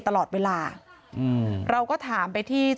ตังค์อะไรอีก